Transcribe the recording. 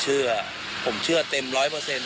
เชื่อผมเชื่อเต็มร้อยเปอร์เซ็นต